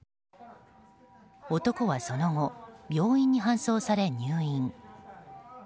男はその後、病院に搬送され入院。